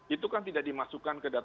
itu kan tidak dimasukkan ke dalam